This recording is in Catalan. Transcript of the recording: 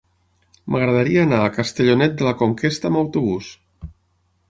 M'agradaria anar a Castellonet de la Conquesta amb autobús.